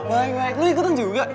baik baik lo ikutan juga